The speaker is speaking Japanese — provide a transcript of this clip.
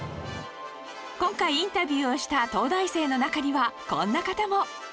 今回インタビューをした東大生の中にはこんな方も